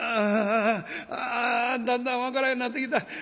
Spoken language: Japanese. ああだんだん分からんようになってきた。